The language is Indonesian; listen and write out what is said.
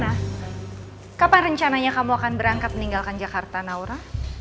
nah kapan rencananya kamu akan berangkat meninggalkan jakarta naura